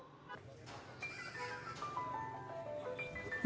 như nét nhạc